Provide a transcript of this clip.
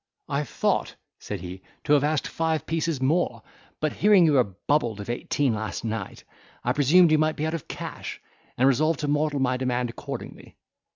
"I thought," said he, "to have asked five pieces more, but hearing you were bubbled of eighteen last night, I presumed you might be out of cash, and resolved to model my demand accordingly."